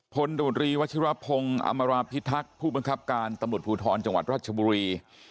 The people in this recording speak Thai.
พนธุรกิจวัชฌาภงอำราภิทักษ์ผู้บังคับการตำรวจภูทรจังหวัดรัชบุรี